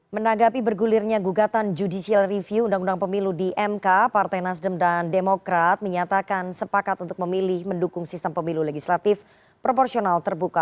menanggapi bergulirnya gugatan judicial review undang undang pemilu di mk partai nasdem dan demokrat menyatakan sepakat untuk memilih mendukung sistem pemilu legislatif proporsional terbuka